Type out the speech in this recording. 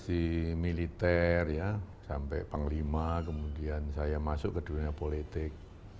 dari mulai saya bertugas di militer ya sampai panglima kemudian saya masuk ke dunia politik